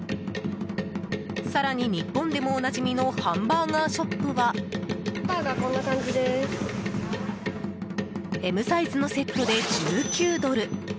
更に、日本でもおなじみのハンバーガーショップはＭサイズのセットで１９ドル。